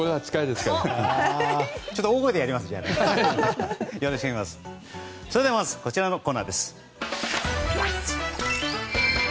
それではまずはこちらのコーナーです。